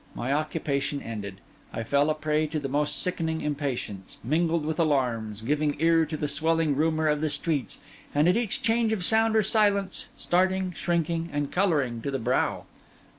My occupation ended, I fell a prey to the most sickening impatience, mingled with alarms; giving ear to the swelling rumour of the streets, and at each change of sound or silence, starting, shrinking, and colouring to the brow.